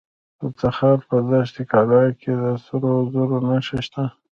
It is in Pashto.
د تخار په دشت قلعه کې د سرو زرو نښې شته.